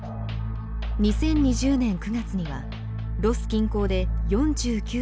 ２０２０年９月にはロス近郊で４９．４℃を記録。